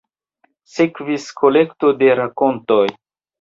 Sekvis kolekto de rakontoj".